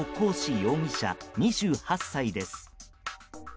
容疑者２８歳です。